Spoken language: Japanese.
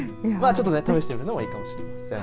ちょっと試してみるのもいいかもしれません。